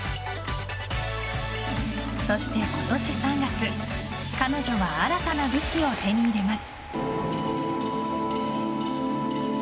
そして今年３月彼女は新たな武器を手に入れます。